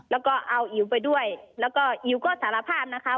แล้วก็เอาอิ๋วไปด้วยแล้วก็อิ๋วก็สารภาพนะคะ